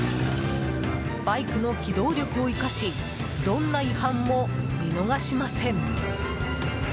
バイクの機動力を生かしどんな違反も見逃しません。